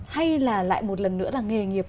hay là lại một lần nữa là nghề nghiệp